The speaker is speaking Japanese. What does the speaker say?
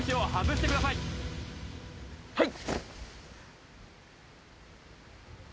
はい。